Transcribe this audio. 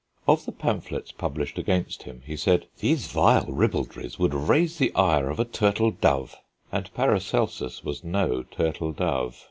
Of the pamphlets published against him he said, "These vile ribaldries would raise the ire of a turtle dove." And Paracelsus was no turtle dove.